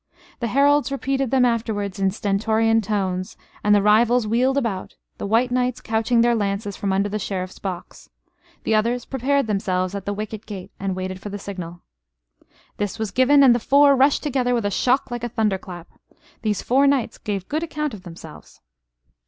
The heralds repeated them afterwards in stentorian tones; and the rivals wheeled about, the white knights couching their lances from under the Sheriff's box. The others prepared themselves at the wicket gate and waited for the signal. This was given, and the four rushed together with a shock like a thunder clap. These four knights gave good account of themselves.